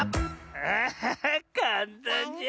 アハハかんたんじゃ。